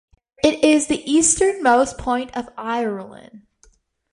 It is the easternmost point of Ireland.